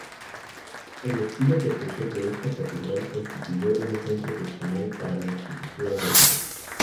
El estilo precursor de esta catedral constituyó un ejemplo excepcional para la arquitectura gótica.